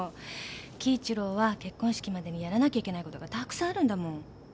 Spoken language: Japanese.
輝一郎は結婚式までにやらなきゃいけないことがたくさんあるんだもん。